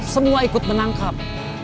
semua ikut menangkap